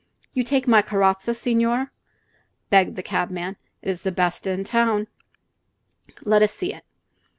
"You take my carrozza, signore?" begged the cabman. "It is besta ina town." "Let us see it."